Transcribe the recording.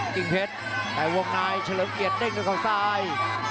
กิ้งเผ็ดแต่วงนายเฉลิมเกียรติเด้งตรงข้างซ้าย